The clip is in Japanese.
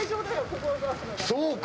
そうか。